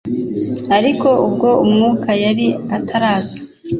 ariko ubwo Umwuka yari ataraza,